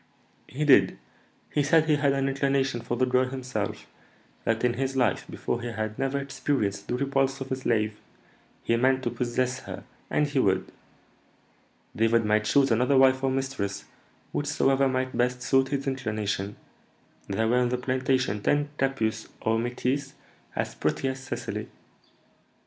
"He did. He said he had an inclination for the girl himself; that in his life before he had never experienced the repulse of a slave; he meant to possess her, and he would. David might choose another wife or mistress, whichsoever might best suit his inclination; there were in the plantation ten capusses or métisses as pretty as Cecily.